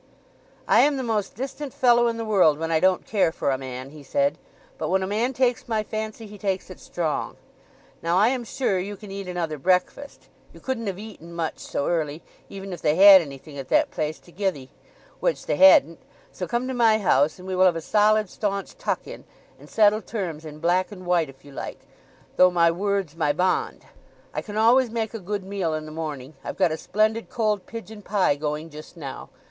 "I am the most distant fellow in the world when I don't care for a man," he said. "But when a man takes my fancy he takes it strong. Now I am sure you can eat another breakfast? You couldn't have eaten much so early, even if they had anything at that place to gi'e thee, which they hadn't; so come to my house and we will have a solid, staunch tuck in, and settle terms in black and white if you like; though my word's my bond. I can always make a good meal in the morning. I've got a splendid cold pigeon pie going just now.